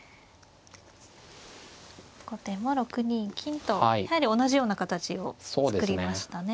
後手も６二金とやはり同じような形を作りましたね。